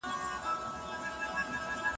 او ته له ځانه سره غلی وايې.